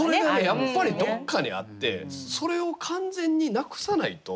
やっぱりどっかにあってそれを完全になくさないと。